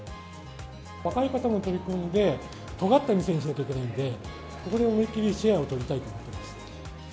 若い方も取り込んで、とがった店にしなきゃいけないので、ここで思い切りシェアを取りたいと思っています。